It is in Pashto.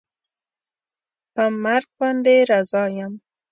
په مرګ باندې رضا یم